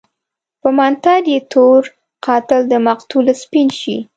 په منتر يې تور قاتل دمقتل سپين شي